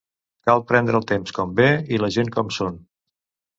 Cal prendre el temps com ve i la gent com són.